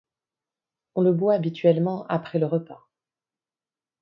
On le boit habituellement après le repas.